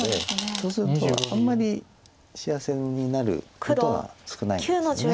そうするとあんまり幸せになることが少ないんですよね。